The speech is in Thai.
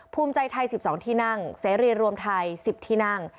ภูมิใจไทย๑๒ที่นั่งเสรีรวมไทย๑๐ที่นั่ง